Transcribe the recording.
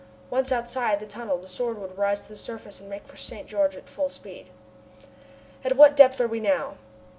Once outside the tunnel the Sword would rise to the surface and make for St. George at full speed. "At what depth are we now?"